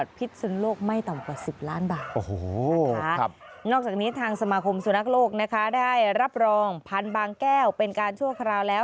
ได้รับรองพันธุ์บางแก้วเป็นการชั่วคราวแล้ว